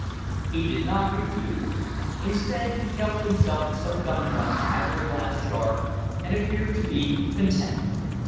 He did not refuse. Instead he helped himself to some gumdrops out of a glass jar, and appeared to be content.